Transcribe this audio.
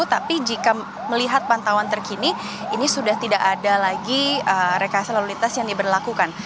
tapi jika melihat pantauan terkini ini sudah tidak ada lagi rekayasa lalu lintas yang diberlakukan